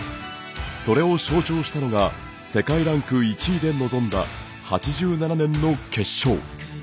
それを象徴したのが世界ランク１位で臨んだ８７年の決勝。